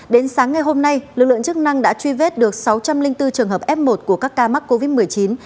đến sáng ngày hôm nay lực lượng chức năng đã truy vết được sáu trăm linh bốn trường hợp f một của các ca mắc covid một mươi chín